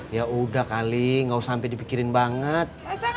ya udah kali gak usah sampai dipikirin banget